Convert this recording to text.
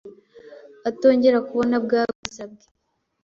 atongera kubona bwa bwiza bwe